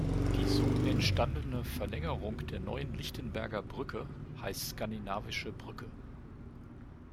Die so entstandene Verlängerung der neuen Lichtenberger Brücke heißt Skandinavische Brücke.